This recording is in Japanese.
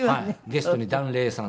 ゲストに檀れいさん